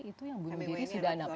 itu yang bunuh diri sudah enam